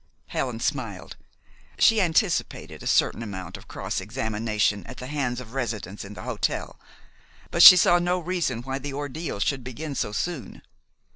Helen smiled. She anticipated a certain amount of cross examination at the hands of residents in the hotel; but she saw no reason why the ordeal should begin so soon.